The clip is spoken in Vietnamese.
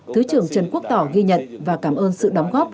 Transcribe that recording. thứ trưởng trần quốc tỏ ghi nhận và cảm ơn sự đóng góp